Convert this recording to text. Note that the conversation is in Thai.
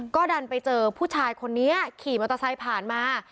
ก็ดันไปเจอผู้ชายคนนี้ขี่มอเตอร์ไซค์ผ่านมา